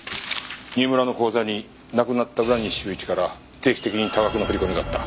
新村の口座に亡くなった浦西修一から定期的に多額の振り込みがあった。